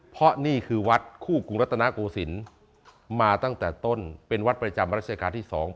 เพราะนี่คือวัดคู่กรุงรัฐนาโกศิลป์มาตั้งแต่ต้นเป็นวัดประจำรัชกาลที่๒